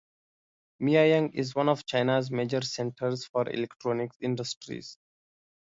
Mianyang is one of China's major centres for the electronics industry.